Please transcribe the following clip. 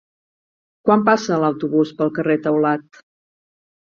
Quan passa l'autobús pel carrer Taulat?